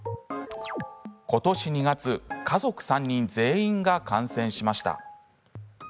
ことし２月家族３人全員が感染しました。